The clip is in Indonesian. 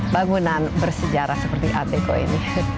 bangunan bersejarah seperti ateko ini